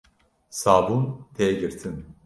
Sabûn tê girtin